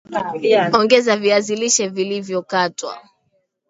Ongeza viazi lishe vilivyokatwa